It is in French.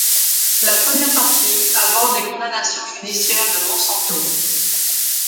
La première partie aborde les condamnations judiciaires de Monsanto.